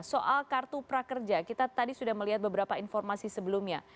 soal kartu prakerja kita tadi sudah melihat beberapa informasi sebelumnya